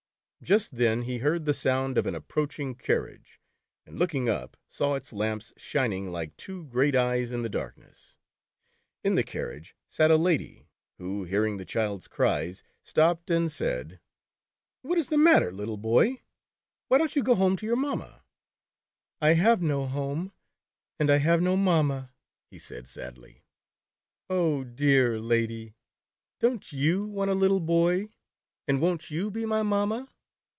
Just then he heard the sound of an approaching carriage, and looking up, saw its lamps, shining like two great eyes in the darkness. In the carriage sat a lady, who, hearing the child's cries, stopped and said : "What is the matter, little boy? Why don't you go home to your mamma?" 190 The Toad Boy. I have no home and I have no mamma," he said, sadly, " Oh, dear Lady, don t yoii want a Httle boy, and won't you be my mamma?"